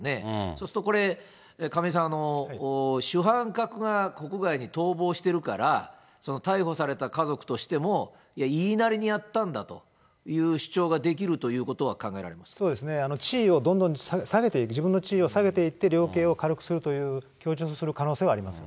そうするとこれ、亀井さん、主犯格が国外に逃亡してるから、逮捕された家族としても、言いなりにやったんだという主張ができそうですね、地位をどんどん下げていって、自分の地位を下げていって、量刑を軽くするという可能性はありま